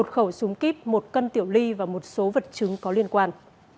một khẩu súng kíp một cân tiểu ly và một số vật chứng có liên quan